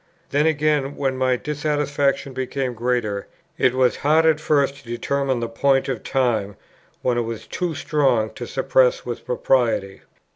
Then again, when my dissatisfaction became greater, it was hard at first to determine the point of time, when it was too strong to suppress with propriety.